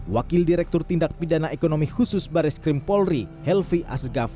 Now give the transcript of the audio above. wakil direktur tindak pidana ekonomi khusus baris krim polri helvi asghaf